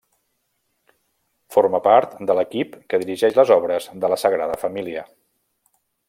Forma part de l'equip que dirigeix les obres de la Sagrada Família.